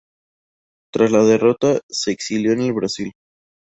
Tras la derrota se exilió en el Brasil.